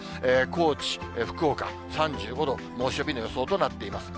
高知、福岡、３５度、猛暑日の予想となっています。